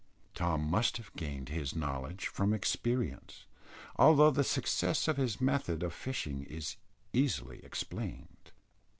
Tom must have gained his knowledge from experience, although the success of his method of fishing is easily explained.